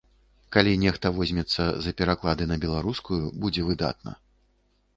Калі нехта возьмецца за пераклады на беларускую, будзе выдатна.